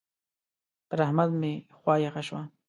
پر احمد مې خوا يخه شوه.